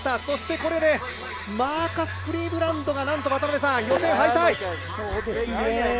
そして、これでマーカス・クリーブランドがなんと予選敗退。